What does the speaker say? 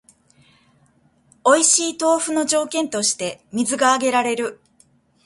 おいしい豆腐の条件として水が挙げられる